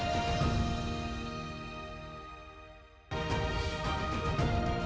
silat harimau pasaman